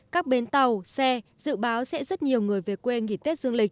các bến tàu xe dự báo sẽ rất nhiều người về quê nghỉ tết dương lịch